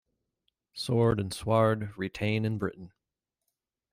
Sword and sward, retain and Britain